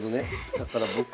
だから僕は。